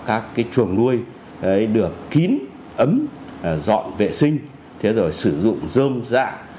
các cái chuồng nuôi được kín ấm dọn vệ sinh sử dụng rơm dạ